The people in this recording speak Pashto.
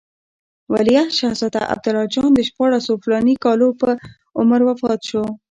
ولیعهد شهزاده عبدالله جان د شپاړسو فلاني کالو په عمر وفات شو.